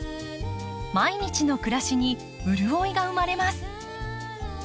毎日の暮らしに潤いが生まれます。